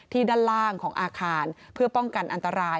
ด้านล่างของอาคารเพื่อป้องกันอันตราย